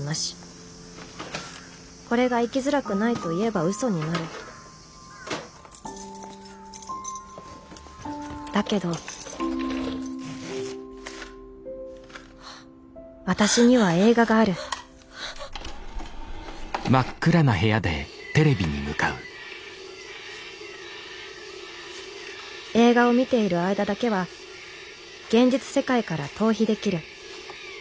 これが生きづらくないといえばウソになるだけど私には映画がある映画を見ている間だけは現実世界から逃避できる。